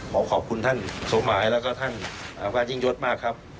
ขอขอบคุณท่านสมหมายและก็ท่านอฟฟ้าจริงยศมากครับ